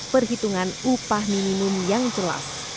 perhitungan upah minimum yang jelas